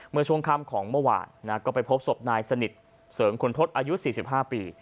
เมื่อช่วงค่ำของเมื่อวานก็ไปพบศพนายสนิทเสริมคุณทศอายุ๔๕ปี